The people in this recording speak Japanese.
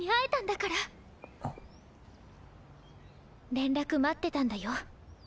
連絡待ってたんだよ。